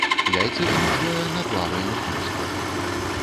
Яйцы выношвае на плавальных ножках.